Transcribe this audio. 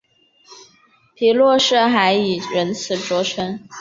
皮洛士还以仁慈着称。